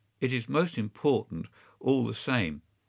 It is most important, all the same.